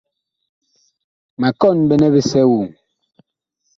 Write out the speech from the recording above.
Ma kɔn ɓɛnɛ bisɛ woŋ.